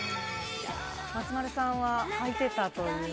松丸さんは履いていたという。